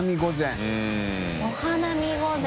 お花見御膳。